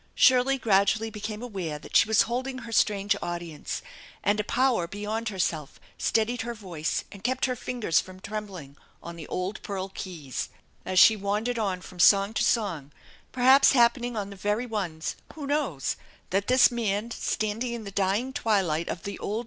Shirley gradually became aware that she was holding her strange audience; and a power beyond herself steadied her voice, and kept her fingers from trembling on the old pearl keys, as she wandered on from song to song; perhaps hap THE ENCHANTED BARN 273 pening on the very ones, who knows ? that this man, stand ing in the dying twilight of the old!